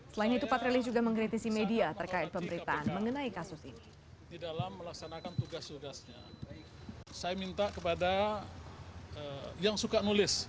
selain itu patrili juga mengkritisi media terkait pemberitaan mengenai kasus ini